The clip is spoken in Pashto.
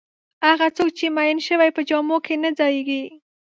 هغه څوک چې میین شوی په جامو کې نه ځایېږي.